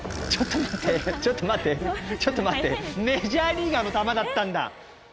ちょっと待ってちょっと待ってメジャーリーガーの球だったんだ